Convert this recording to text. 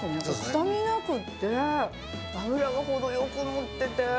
臭みなくて、脂が程よく乗ってて。